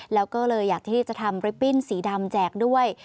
แล้วก็เลยอยากที่จะทำลิปปิ้นสีดำแจกด้วย